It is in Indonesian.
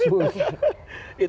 itu harus diharapkan